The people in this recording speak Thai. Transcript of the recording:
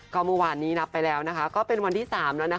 ก็เมื่อวานนี้นับไปแล้วก็เป็นวันที่๓แล้วนะคะ